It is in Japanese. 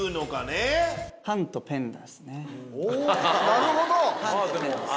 なるほど！